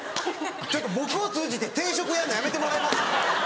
ちょっと僕を通じて定食やんのやめてもらえます？